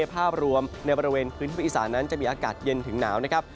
ภาพรวมในบริเวณพื้นที่ภาคอีสานั้นจะมีอากาศเย็นถึงหนาวนะครับ